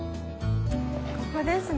ここですね。